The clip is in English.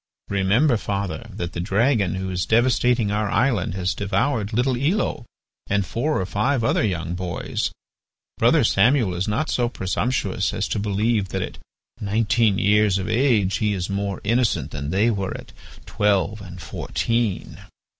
Remember, father, that the dragon who is devastating our island has devoured little Elo and four or five other young boys. Brother Samuel is not go presumptuous as to believe that at nineteen years of age he is more innocent than they were at twelve and fourteen.